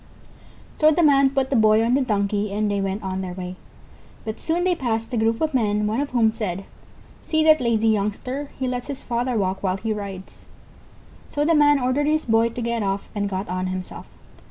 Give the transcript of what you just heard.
So the Man put the Boy on the Donkey and they went on their way. But soon they passed a group of men, one of whom said: "See that lazy youngster, he lets his father walk while he rides." So the Man ordered his Boy to get off, and got on himself.